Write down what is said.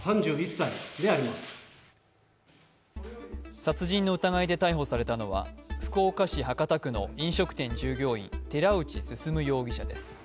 殺人の疑いで逮捕されたのは福岡県博多区の飲食店従業員寺内進容疑者です。